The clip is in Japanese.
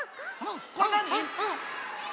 これなに？